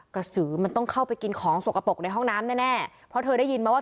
กระสือมันต้องเข้าไปกินของสกปรกในห้องน้ำแน่แน่เพราะเธอได้ยินมาว่า